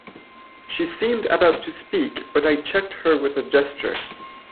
She seemed about to speak, but I checked her with a gesture.